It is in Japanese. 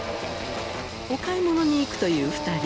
お買い物に行くという２人。